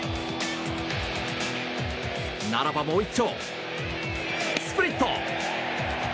ならばもう一丁スプリット！